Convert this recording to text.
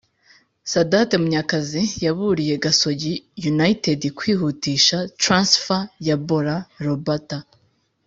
Sadate munyakazi yaburiye gasogi united kwihutisha transfer ya bola lobata